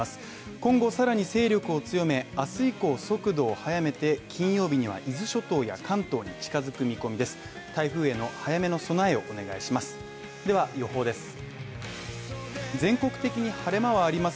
今後さらに勢力を強め、明日以降速度を速めて金曜日には伊豆諸島や関東に近づく見込みです。